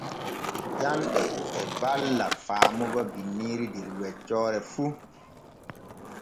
Ƴanɗe e balla faamugo binniiri der weccoore fu.